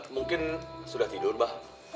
mungkin sudah tidur abah